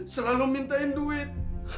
selalu minta duit